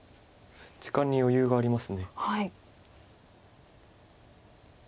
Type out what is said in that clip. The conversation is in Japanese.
時間に余裕があります。